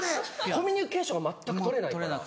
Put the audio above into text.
コミュニケーションが全く取れないから。